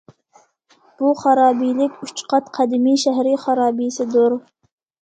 بۇ خارابىلىك ئۈچقات قەدىمىي شەھىرى خارابىسىدۇر.